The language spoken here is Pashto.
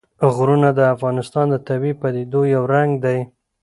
غرونه د افغانستان د طبیعي پدیدو یو رنګ دی.